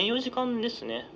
３４時間ですね。